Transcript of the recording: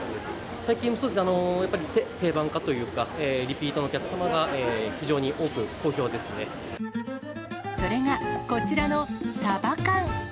最近は定番化というか、リピーターのお客様が非常に多く、好評でそれが、こちらのサバ缶。